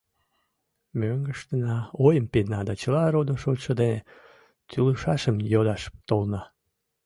— Мӧҥгыштына ойым пидна да чыла родо-шочшо дене тӱлышашым йодаш толна.